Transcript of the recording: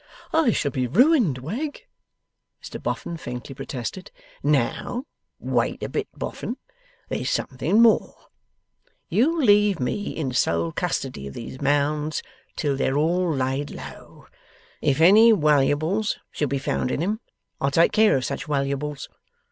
'I shall be ruined, Wegg!' Mr Boffin faintly protested. 'Now, wait a bit, Boffin; there's something more. You'll leave me in sole custody of these Mounds till they're all laid low. If any waluables should be found in 'em, I'll take care of such waluables.